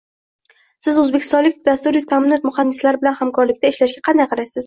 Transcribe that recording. Siz oʻzbekistonlik dasturiy taʼminot muhandislari bilan hamkorlikda ishlashga qanday qaraysiz?